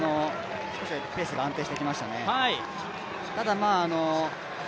ペースが安定してきましたね。